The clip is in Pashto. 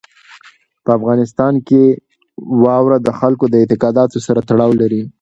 په افغانستان کې واوره د خلکو د اعتقاداتو سره تړاو لري.